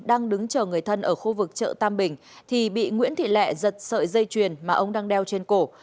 đang đứng chờ người thân ở khu vực chợ tam bình thì bị nguyễn thị lẹ giật sợi dây chuyền mà ông đang đeo trên cổ